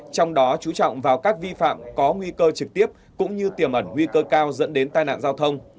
trong đó chú trọng vào các vi phạm có nguy cơ trực tiếp cũng như tiềm ẩn nguy cơ cao dẫn đến tai nạn giao thông